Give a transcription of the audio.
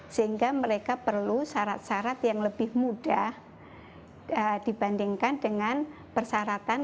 sehingga mereka perlu syarat syarat yang lebih mudah dibandingkan dengan persyaratan